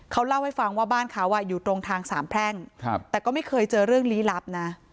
เขาเล่าให้ฟังว่าบ้านเขาอยู่ตรงทางสามแพร่งแต่ก็ไม่เคยเจอเรื่องลี้ลับนะ